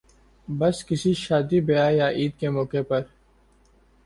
بس کسی شادی بیاہ یا عید کے موقع پر